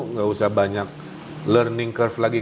nggak usah banyak learning curve lagi